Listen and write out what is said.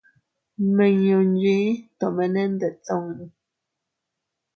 Nmiñu nchii tomene ndetun.